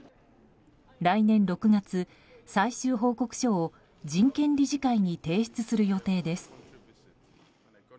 来年６月、最終報告書を人権理事会に提出する予定です。